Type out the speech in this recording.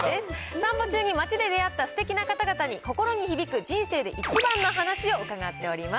散歩中に町で出会ったすてきな方々に心に響く人生で一番の話を伺っております。